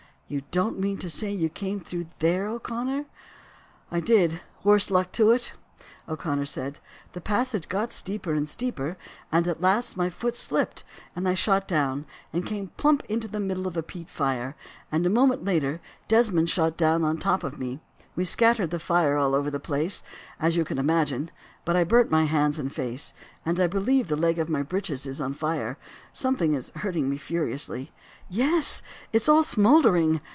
"You don't mean to say you came through there, O'Connor?" "I did, worse luck to it?" O'Connor said. "The passage got steeper and steeper, and at last my foot slipped, and I shot down, and came plump into the middle of a peat fire; and a moment later Desmond shot down on to the top of me. We scattered the fire all over the place, as you can imagine; but I burnt my hands and face, and I believe the leg of my breeches is on fire—something is hurting me furiously." "Yes, it is all smouldering!"